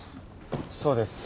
そうです。